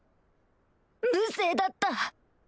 無性だった